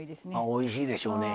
おいしいでしょうね。